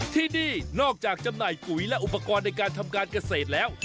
ที่นี่นอกจากจำหน่ายปุ๋ยและอุปกรณ์ในการทำการเกษตรแล้ว